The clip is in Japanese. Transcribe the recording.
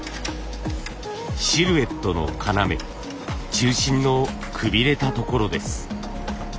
シルエットの要中心のくびれたところです。